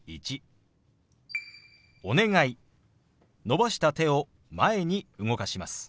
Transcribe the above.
伸ばした手を前に動かします。